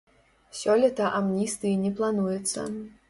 Сёлета амністыі не плануецца.